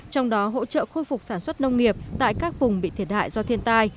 trong đó hỗ trợ khôi phục sản xuất nông nghiệp tại các vùng bị thiệt hại do thiên tai